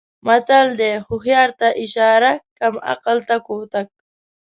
متل دی: هوښیار ته اشاره کم عقل ته کوتک.